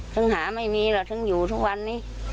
ถึงหาไม่มีหรอกถึงอยู่ทุกวันนี้